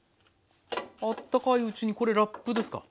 あったかいうちにこれラップですか。